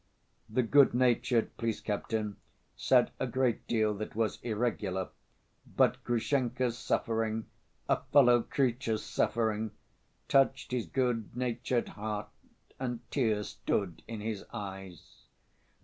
The good‐natured police captain said a great deal that was irregular, but Grushenka's suffering, a fellow creature's suffering, touched his good‐ natured heart, and tears stood in his eyes.